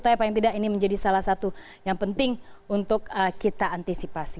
tapi paling tidak ini menjadi salah satu yang penting untuk kita antisipasi